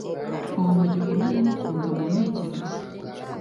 ubu bagikomeje no kunza mu ntekerezo.